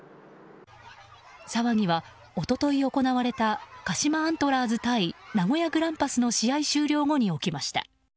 騒ぎは、一昨日行われた鹿島アントラーズ対名古屋グランパスの試合終了後に起きました。